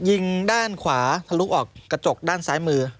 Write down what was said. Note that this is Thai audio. ยิงด้านขวาทะลุออกกระจกด้านซ้ายมือ